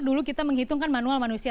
dulu kita menghitungkan manual manusia